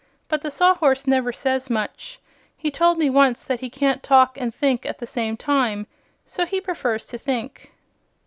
"But the Sawhorse never says much. He told me once that he can't talk and think at the same time, so he prefers to think."